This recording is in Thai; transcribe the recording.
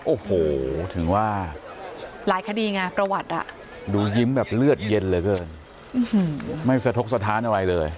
โอ้โหถึงว่าหลายคดีไงประวัติดูยิ้มแบบเลือดเย็นเลยก็ไม่สะทกสะท้านเอาไว้เลย